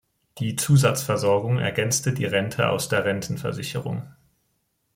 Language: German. Die Zusatzversorgung ergänzte die Rente aus der Rentenversicherung.